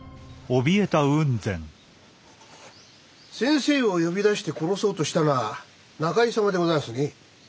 先生を呼び出して殺そうとしたのは仲井様でございますね？